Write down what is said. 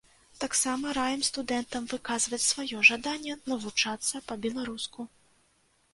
Таксама раім студэнтам выказваць сваё жаданне навучацца па-беларуску.